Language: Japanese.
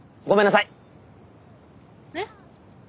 えっ？